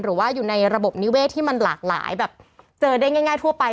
หรือว่าอยู่ในระบบนิเวศที่มันหลากหลายแบบเจอได้ง่ายทั่วไป